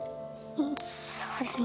そうですね。